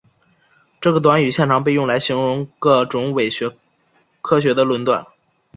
这个短语现常被用来形容各种伪科学的论断。